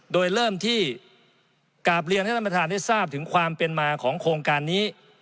โดยเริ่มที่กราบเรียนให้ท่านประธานได้ทราบถึงความเป็นมาของโครงการนี้